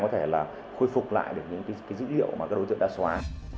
có thể khôi phục lại những dữ liệu mà các đối tượng đã xóa